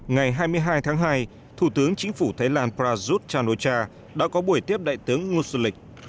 ngày hai mươi hai tháng hai thủ tướng chính phủ thái lan prajut chan o cha đã có buổi tiếp đại tướng ngô xuân lịch